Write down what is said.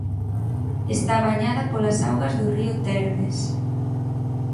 Está bañada polas augas do río Termes.